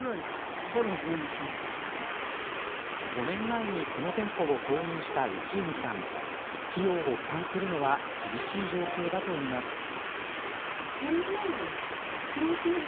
５年前にこの店舗を購入した内海さん費用を負担するのは厳しい状況だといいます。